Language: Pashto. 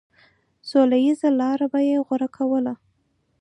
سوله ييزه لاره به يې غوره کوله.